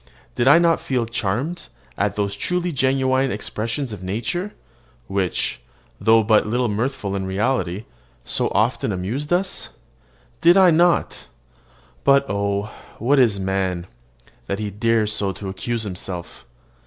Did I not feel charmed at those truly genuine expressions of nature, which, though but little mirthful in reality, so often amused us? Did I not but oh! what is man, that he dares so to accuse himself?